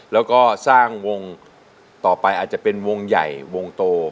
แล้วก็สร้างวงต่อไปอาจจะเป็นวงใหญ่วงโต